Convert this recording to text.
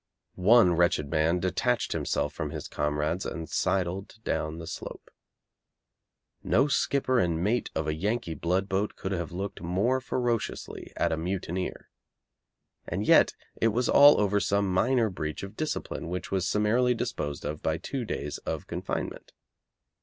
One wretched man detached himself from his comrades and sidled down the slope. No skipper and mate of a Yankee blood boat could have looked more ferociously at a mutineer. And yet it was all over some minor breach of discipline which was summarily disposed of by two days of confinement.